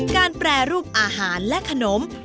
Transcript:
แปรรูปอาหารและขนม